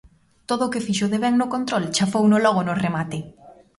Todo o que fixo de ben no control, chafouno logo no remate.